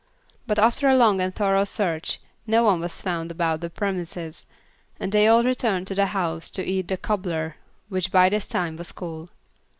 But, after a long and thorough search, no one was found about the premises, and they all returned to the house to eat the "cobbler," which by this time was cool.